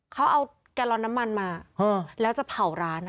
เขาเอาแกลลอนน้ำมันมาแล้วจะเผาร้าน